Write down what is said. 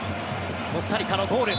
コスタリカのゴール。